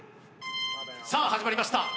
さあ始まりました